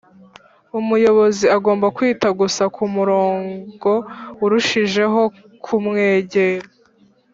umuyobozi agomba kwita gusa ku murongo urushijeho kumwegera.